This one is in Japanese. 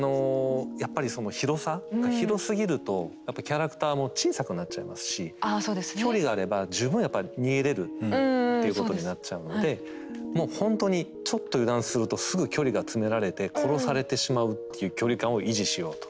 やっぱりその広さが広すぎるとやっぱキャラクターも小さくなっちゃいますし距離があれば十分やっぱ逃げれるっていうことになっちゃうのでもうほんとにちょっと油断するとすぐ距離が詰められて殺されてしまうっていう距離感を維持しようと。